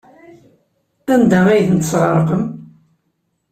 Anda ay tent-tesɣerqem?